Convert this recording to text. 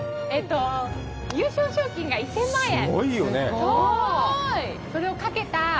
優勝賞金が１０００万円。